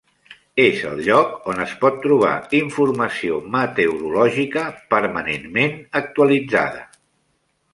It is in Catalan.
És el lloc on es pot trobar informació meteorològica, permanentment actualitzada.